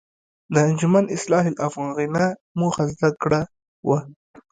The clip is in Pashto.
د انجمن اصلاح الافاغنه موخه زده کړه وه.